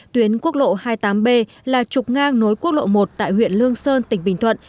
tuyến quốc lộ hai mươi tám b là trục ngang nối quốc lộ một tại huyện lương sơn tỉnh bình thuận